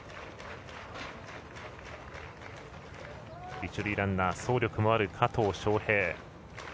一塁ランナー、走力もある加藤。